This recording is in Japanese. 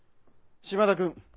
島田君。